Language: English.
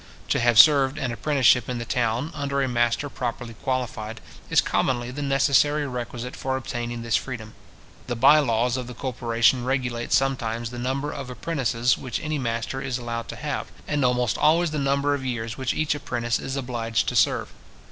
To have served an apprenticeship in the town, under a master properly qualified, is commonly the necessary requisite for obtaining this freedom. The bye laws of the corporation regulate sometimes the number of apprentices which any master is allowed to have, and almost always the number of years which each apprentice is obliged to serve.